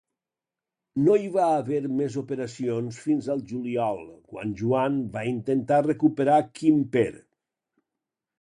No hi va haver més operacions fins al juliol, quan Joan va intentar recuperar Quimper.